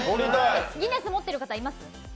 ギネス持ってる方、います？